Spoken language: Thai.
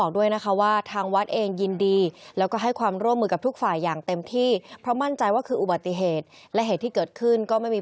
ก็คือดูแลเลี้ยงดูเท่าที่เรามี